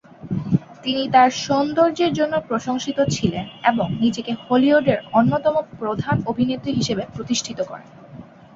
তিনি তার সৌন্দর্যের জন্য প্রশংসিত ছিলেন এবং নিজেকে হলিউডের অন্যতম প্রধান অভিনেত্রী হিসেবে প্রতিষ্ঠিত করেন।